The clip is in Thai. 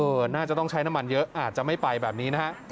น่าจะต้องใช้น้ำมันเยอะอาจจะไม่ไปแบบนี้นะฮะ